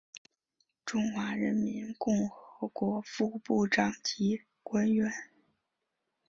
中华人民共和国副部长级官员。